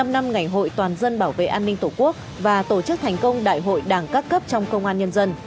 bảy mươi năm năm ngày hội toàn dân bảo vệ an ninh tổ quốc và tổ chức thành công đại hội đảng các cấp trong công an nhân dân